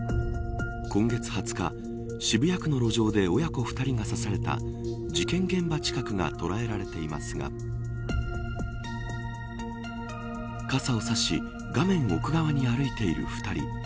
今月２０日渋谷区の路上で親子２人が刺された事件現場近くが捉えられていますが傘を差し画面奥側に歩いている２人。